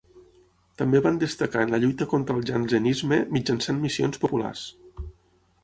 També van destacar en la lluita contra el jansenisme mitjançant missions populars.